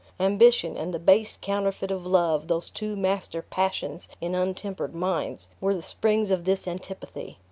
Ambition, and the base counterfeit of love, those two master passions in untempered minds, were the springs of this antipathy.